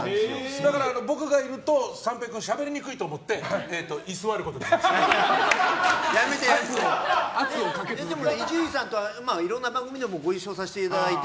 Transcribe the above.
だから僕がいると三平君、しゃべりにくいと思ってでも伊集院さんとはいろんな番組でご一緒させていただいて。